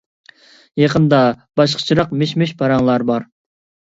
يېقىندا باشقىچىراق مىش-مىش پاراڭلار بار.